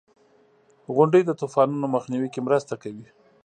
• غونډۍ د طوفانونو مخنیوي کې مرسته کوي.